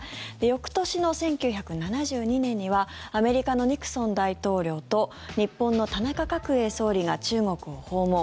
翌年の１９７２年にはアメリカのニクソン大統領と日本の田中角栄総理が中国を訪問。